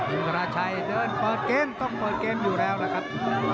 อินทราชัยเดินเปิดเกมต้องเปิดเกมอยู่แล้วนะครับ